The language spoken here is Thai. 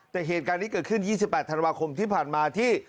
แต่เหตุการณ์นี้เกิดขึ้น๒๘ธันวาคมที่ผ่านมาที่